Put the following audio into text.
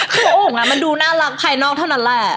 คือโอ่งมันดูน่ารักภายนอกเท่านั้นแหละ